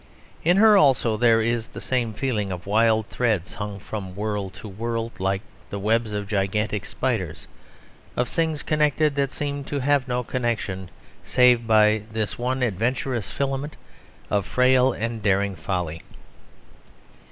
In her also there is the same feeling of wild threads hung from world to world like the webs of gigantic spiders; of things connected that seem to have no connection save by this one adventurous filament of frail and daring folly.